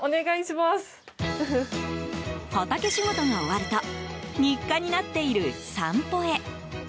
畑仕事が終わると日課になっている散歩へ。